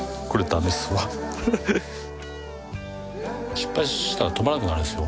失敗したら止まらなくなるんですよ。